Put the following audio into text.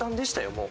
もう。